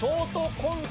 コント